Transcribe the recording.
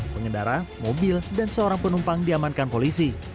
pengendara mobil dan seorang penumpang diamankan polisi